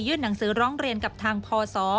หนังสือร้องเรียนกับทางพศ